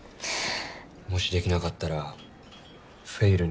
もしできなかったらフェイルに。